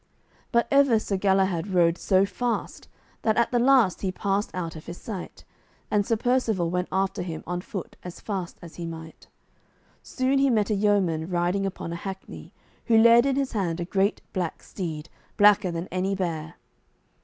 But ever Sir Galahad rode so fast, that at the last he passed out of his sight, and Sir Percivale went after him on foot as fast as he might. Soon he met a yeoman riding upon a hackney, who led in his hand a great black steed, blacker than any bear.